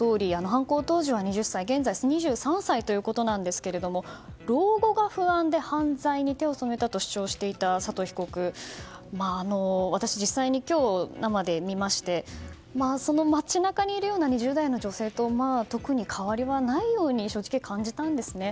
犯行当時は２０歳現在２３歳ということですが老後が不安で犯罪に手を染めたと主張していた佐藤被告を私、実際に今日、生で見まして街中にいるような２０代の女性と特に変わりはないように正直、感じたんですね。